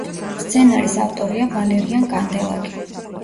სცენარის ავტორია ვალერიან კანდელაკი.